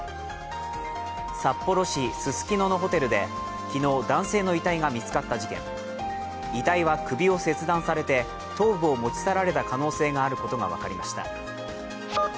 札幌市ススキノのホテルで昨日、男性の遺体が見つかった事件遺体は首を切断されて頭部を持ち去られた可能性があることが分かりました。